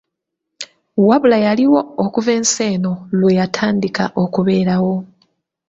Wabula yaliwo okuva ensi eno lweyatandika okubeerawo.